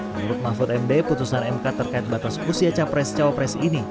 menurut mahfud md putusan mk terkait batas usia capres cawapres ini